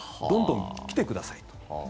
どんどん来てくださいと。